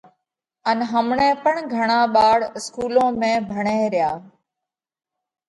ان همڻئہ پڻ گھڻا ٻاۯ اِسڪُولون ۾ ڀڻئه ريا۔